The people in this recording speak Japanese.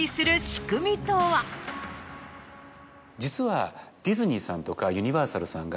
実は。